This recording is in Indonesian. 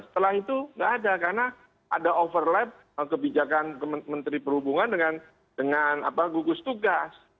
setelah itu nggak ada karena ada overlap kebijakan menteri perhubungan dengan gugus tugas